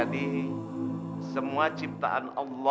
ini sih aku merasa bingung